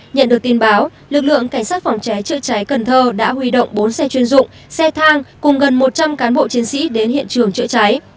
nhận được tin báo lực lượng cảnh sát phòng cháy chữa cháy cần thơ đã huy động bốn xe chuyên dụng xe thang cùng gần một trăm linh cán bộ chiến sĩ đến hiện trường chữa cháy